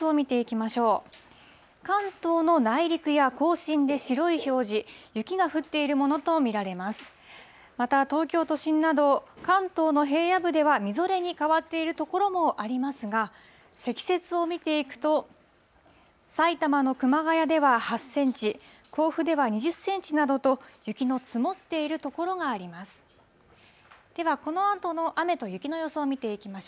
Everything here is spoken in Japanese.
また東京都心など、関東の平野部ではみぞれに変わっている所もありますが、積雪を見ていくと、埼玉の熊谷では８センチ、甲府では２０センチなどと、雪の積もっている所があります。